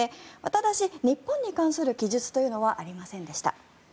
ただし、日本に関する記述というのはありませんでした。